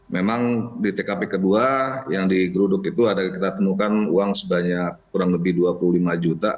memang di tkp kedua yang digeruduk itu ada kita temukan uang sebanyak kurang lebih dua puluh lima juta